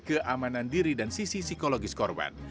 keamanan diri dan sisi psikologis korban